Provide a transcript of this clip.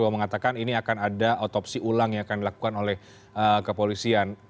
bahwa mengatakan ini akan ada otopsi ulang yang akan dilakukan oleh kepolisian